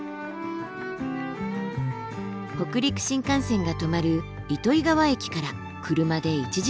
北陸新幹線が止まる糸魚川駅から車で１時間半。